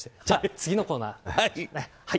じゃあ、次のコーナー。